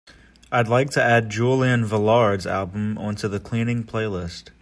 I'd like to add Julian Velard's album onto the cleaning playlist.